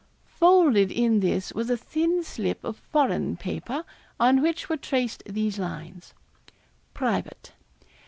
Folded in this was a thin slip of foreign paper, on which were traced these lines: '_Private.